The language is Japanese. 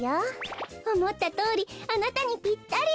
おもったとおりあなたにピッタリ。